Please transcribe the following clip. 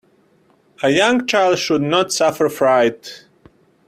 A young child should not suffer fright.